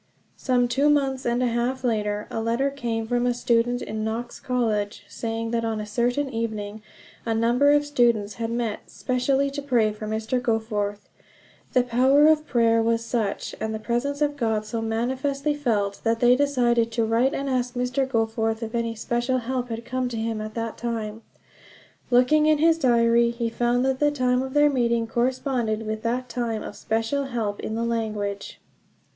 Some two months and a half later a letter came from a student in Knox College, saying that on a certain evening a number of students had met specially to pray for Mr. Goforth. The power of prayer was such, and the presence of God so manifestly felt, that they decided to write and ask Mr. Goforth if any special help had come to him at that time. Looking in his diary, he found that the time of their meeting corresponded with that time of special help in the language.